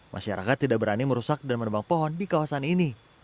masyarakat tidak berani merusak dan menerbang pohon di kawasan ini